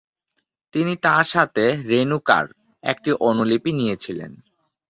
তিনি তার সাথে "রেণুকা"র একটি অনুলিপি নিয়েছিলেন।